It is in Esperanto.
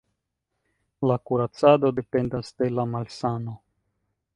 La kuracado dependas de la malsano.